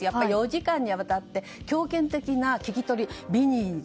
４時間にわたる強権的な聞き取り。